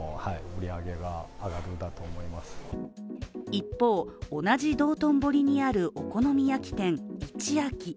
一方、同じ道頓堀にあるお好み焼き店・一明。